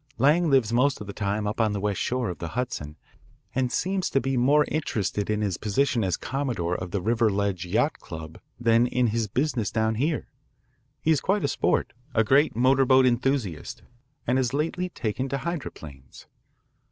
Lang lives most of the time up on the west shore of the Hudson, and seems to be more interested in his position as commodore of the Riverledge Yacht Club than in his business down here. He is quite a sport, a great motor boat enthusiast, and has lately taken to hydroplanes."